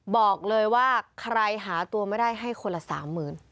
บอกเลยว่าใครหาตัวไม่ได้ให้คนละสามหมื่น